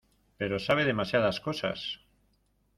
pero sabe demasiadas cosas.